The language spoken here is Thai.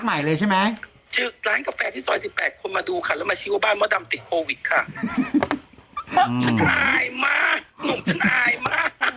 หนุ่มกัญชัยโทรมา